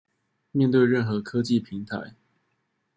面對任何科技平台